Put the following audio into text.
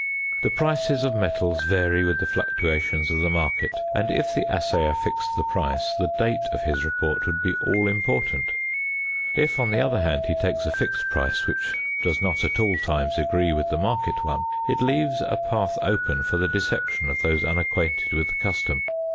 The prices of metals vary with the fluctuations of the market, and if the assayer fixed the price, the date of his report would be all important; if, on the other hand, he takes a fixed price which does not at all times agree with the market one, it leaves a path open for the deception of those unacquainted with the custom.